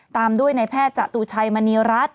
ตามด้วยในแพทย์จตุชัยมณีรัฐ